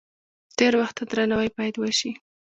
تیر وخت ته درناوی باید وشي.